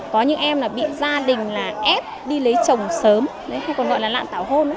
có những em bị gia đình ép đi lấy chồng sớm hay còn gọi là lạ tảo hôn